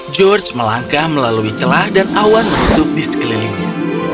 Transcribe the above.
george melangkah melalui celah dan awan menutup di sekelilingnya